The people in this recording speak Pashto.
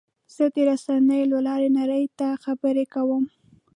زه د رسنیو له لارې نړۍ ته خبرې کوم.